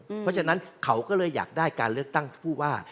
เพราะฉะนั้นเขาก็เลยอยากได้การเลือกตั้งผู้ว่า